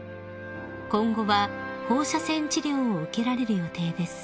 ［今後は放射線治療を受けられる予定です］